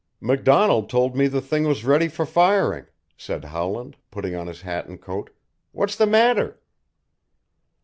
"MacDonald told me the thing was ready for firing," said Howland, putting on his hat and coat. "What's the matter?"